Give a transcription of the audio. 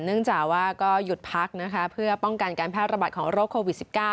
เนื่องจากว่าก็หยุดพักนะคะเพื่อป้องกันการแพร่ระบาดของโรคโควิด๑๙